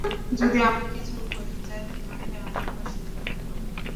যদি আমার কিছু হয়ে যায়, তোমাকে আমার পাশে থাকতে হবে!